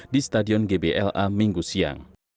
di stadion gpl a minggu siang